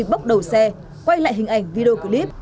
bốc đầu xe quay lại hình ảnh video clip